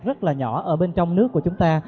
rất là nhỏ ở bên trong nước của chúng ta